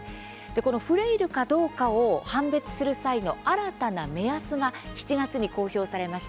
このフレイルかどうかを判別する際の新たな目安が７月に公表されました。